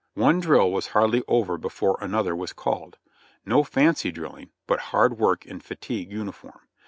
One drill was hardly over before another was called; no fancy drilling, but hard work in fatigue uniform.